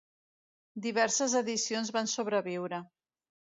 Diverses edicions van sobreviure.